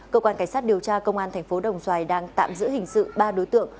cơ quan cảnh sát điều tra công an tp đồng xoài đang tạm giữ hình sự ba đối tượng